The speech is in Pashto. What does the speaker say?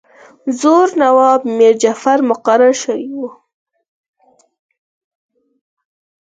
زوړ نواب میرجعفر مقرر شوی وو.